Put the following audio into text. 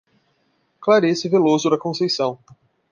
Clarice Veloso da Conceicao